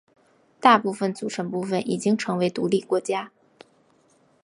大部分组成部分已经成为独立国家。